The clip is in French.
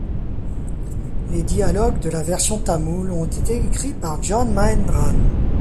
Les dialogues de la version tamoule ont été écrits par John Mahendran.